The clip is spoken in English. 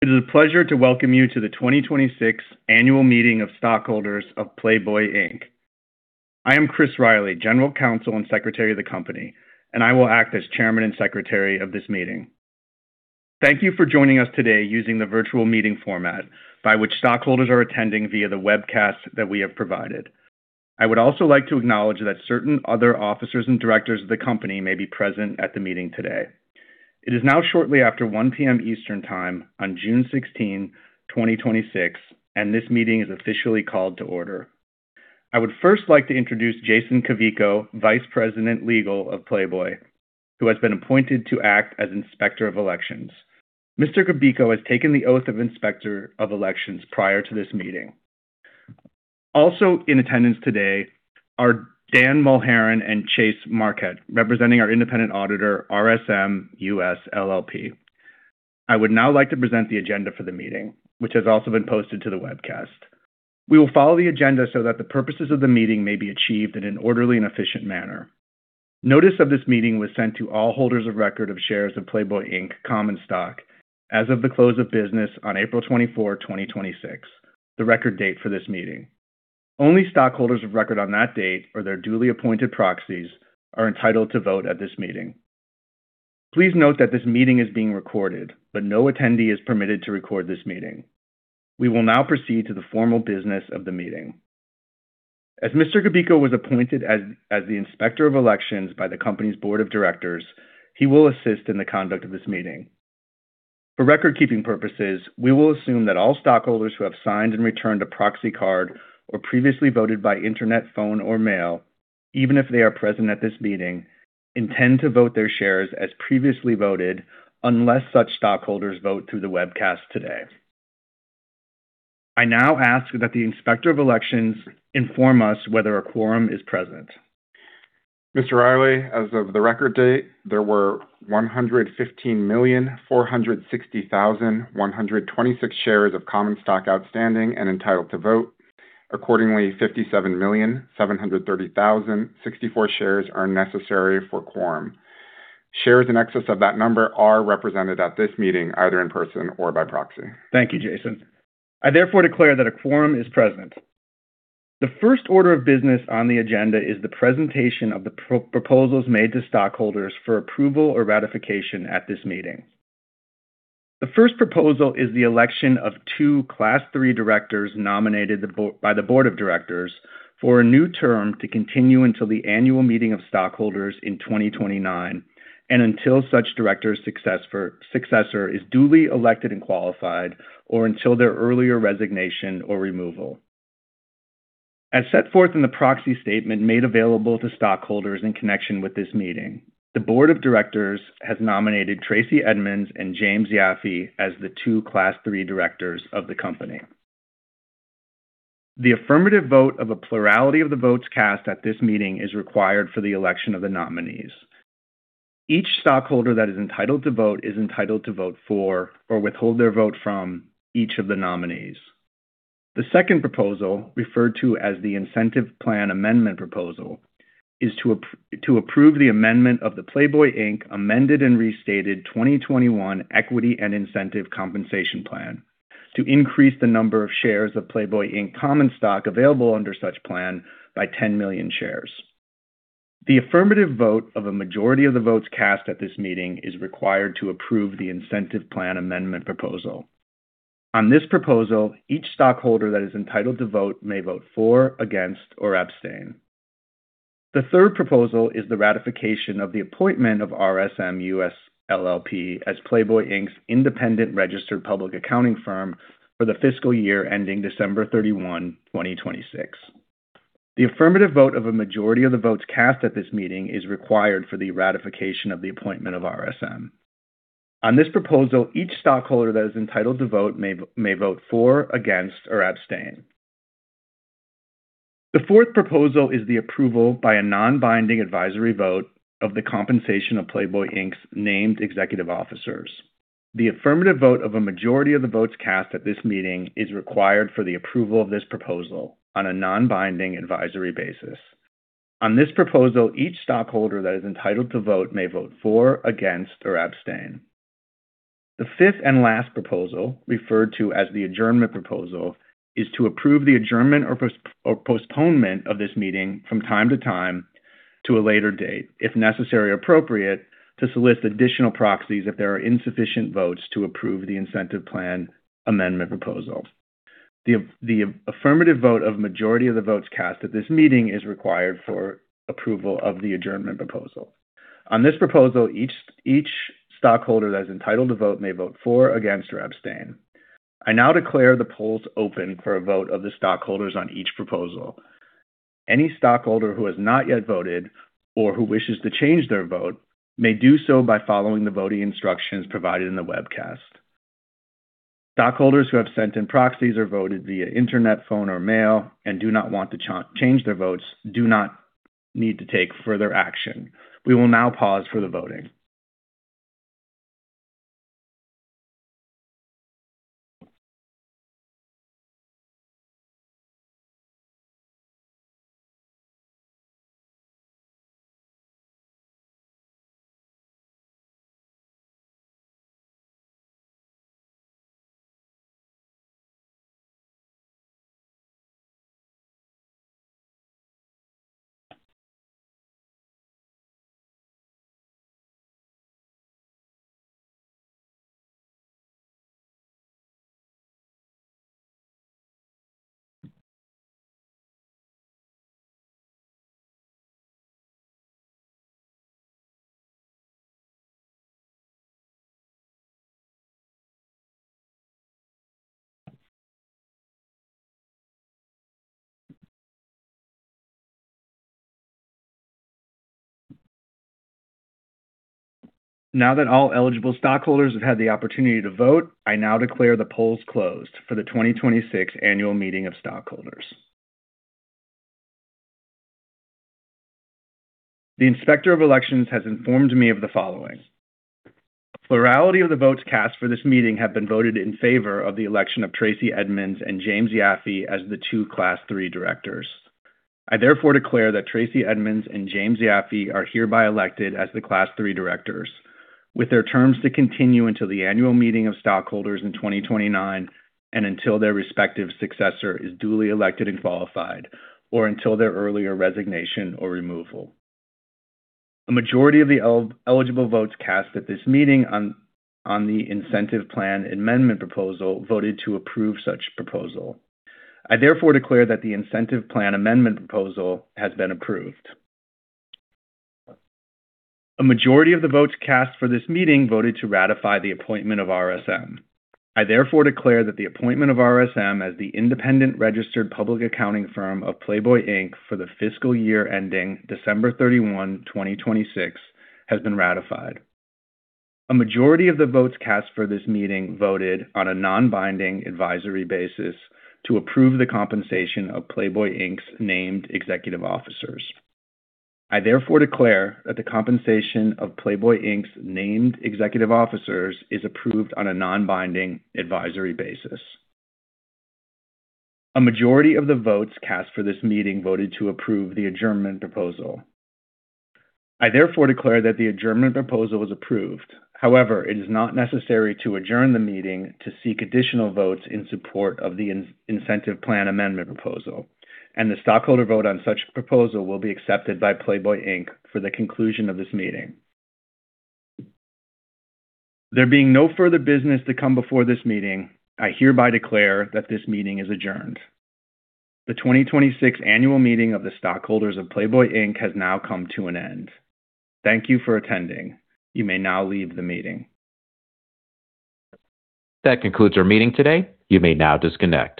It is a pleasure to welcome you to the 2026 Annual Meeting of Stockholders of Playboy, Inc. I am Chris Riley, General Counsel and Secretary of the company, and I will act as Chairman and Secretary of this meeting. Thank you for joining us today using the virtual meeting format by which stockholders are attending via the webcast that we have provided. I would also like to acknowledge that certain other officers and directors of the company may be present at the meeting today. It is now shortly after 1:00 P.M. Eastern Time on June 16, 2026, and this meeting is officially called to order. I would first like to introduce Jason Cabico, Vice President, Legal of Playboy, who has been appointed to act as Inspector of Elections. Mr. Cabico has taken the oath of Inspector of Elections prior to this meeting. Also in attendance today are Dan Mulhern and Chase Marquardt, representing our independent auditor, RSM US LLP. I would now like to present the agenda for the meeting, which has also been posted to the webcast. We will follow the agenda so that the purposes of the meeting may be achieved in an orderly and efficient manner. Notice of this meeting was sent to all holders of record of shares of Playboy, Inc common stock as of the close of business on April 24, 2026, the record date for this meeting. Only stockholders of record on that date or their duly appointed proxies are entitled to vote at this meeting. Please note that this meeting is being recorded, but no attendee is permitted to record this meeting. We will now proceed to the formal business of the meeting. As Mr. Cabico was appointed as the Inspector of Elections by the company's Board of Directors, he will assist in the conduct of this meeting. For record-keeping purposes, we will assume that all stockholders who have signed and returned a proxy card or previously voted by internet, phone, or mail, even if they are present at this meeting, intend to vote their shares as previously voted unless such stockholders vote through the webcast today. I now ask that the Inspector of Elections inform us whether a quorum is present. Mr. Riley, as of the record date, there were 115,460,126 shares of common stock outstanding and entitled to vote. Accordingly, 57,730,064 shares are necessary for quorum. Shares in excess of that number are represented at this meeting, either in person or by proxy. Thank you, Jason. I therefore declare that a quorum is present. The 1st order of business on the agenda is the presentation of the proposals made to stockholders for approval or ratification at this meeting. The 1st proposal is the election of two Class III Directors nominated by the Board of Directors for a new term to continue until the annual meeting of stockholders in 2029, and until such director's successor is duly elected and qualified, or until their earlier resignation or removal. As set forth in the proxy statement made available to stockholders in connection with this meeting, the Board of Directors has nominated Tracey Edmonds and James Yaffe as the two Class III Directors of the company. The affirmative vote of a plurality of the votes cast at this meeting is required for the election of the nominees. Each stockholder that is entitled to vote is entitled to vote for or withhold their vote from each of the nominees. The 2nd proposal, referred to as the Incentive Plan Amendment Proposal, is to approve the amendment of the Playboy, Inc Amended and Restated 2021 Equity and Incentive Compensation Plan to increase the number of shares of Playboy, Inc common stock available under such plan by 10 million shares. The affirmative vote of a majority of the votes cast at this meeting is required to approve the Incentive Plan Amendment Proposal. On this proposal, each stockholder that is entitled to vote may vote for, against, or abstain. The 3rd proposal is the ratification of the appointment of RSM US LLP as Playboy, Inc's independent registered public accounting firm for the fiscal year ending December 31, 2026. The affirmative vote of a majority of the votes cast at this meeting is required for the ratification of the appointment of RSM. On this proposal, each stockholder that is entitled to vote may vote for, against, or abstain. The 4th proposal is the approval by a non-binding advisory vote of the compensation of Playboy, Inc's named executive officers. The affirmative vote of a majority of the votes cast at this meeting is required for the approval of this proposal on a non-binding advisory basis. On this proposal, each stockholder that is entitled to vote may vote for, against, or abstain. The 5th and last proposal, referred to as the Adjournment Proposal, is to approve the adjournment or postponement of this meeting from time to time to a later date, if necessary appropriate, to solicit additional proxies if there are insufficient votes to approve the Incentive Plan Amendment Proposal. The affirmative vote of a majority of the votes cast at this meeting is required for approval of the Adjournment Proposal. On this proposal, each stockholder that is entitled to vote may vote for, against, or abstain. I now declare the polls open for a vote of the stockholders on each proposal. Any stockholder who has not yet voted or who wishes to change their vote may do so by following the voting instructions provided in the webcast. Stockholders who have sent in proxies or voted via internet, phone, or mail and do not want to change their votes do not need to take further action. We will now pause for the voting. Now that all eligible stockholders have had the opportunity to vote, I now declare the polls closed for the 2026 annual meeting of stockholders. The Inspector of Elections has informed me of the following. Plurality of the votes cast for this meeting have been voted in favor of the election of Tracey Edmonds and James Yaffe as the two Class III Directors. I therefore declare that Tracey Edmonds and James Yaffe are hereby elected as the Class III Directors, with their terms to continue until the annual meeting of stockholders in 2029 and until their respective successor is duly elected and qualified, or until their earlier resignation or removal. A majority of the eligible votes cast at this meeting on the Incentive Plan Amendment Proposal voted to approve such proposal. I therefore declare that the Incentive Plan Amendment Proposal has been approved. A majority of the votes cast for this meeting voted to ratify the appointment of RSM. I therefore declare that the appointment of RSM as the independent registered public accounting firm of Playboy, Inc for the fiscal year ending December 31, 2026, has been ratified. A majority of the votes cast for this meeting voted on a non-binding advisory basis to approve the compensation of Playboy, Inc's named executive officers. I therefore declare that the compensation of Playboy, Inc's named executive officers is approved on a non-binding advisory basis. A majority of the votes cast for this meeting voted to approve the Adjournment Proposal. I therefore declare that the Adjournment Proposal is approved. However, it is not necessary to adjourn the meeting to seek additional votes in support of the Incentive Plan Amendment Proposal, and the stockholder vote on such proposal will be accepted by Playboy, Inc for the conclusion of this meeting. There being no further business to come before this meeting, I hereby declare that this meeting is adjourned. The 2026 annual meeting of the stockholders of Playboy, Inc has now come to an end. Thank you for attending. You may now leave the meeting. That concludes our meeting today. You may now disconnect.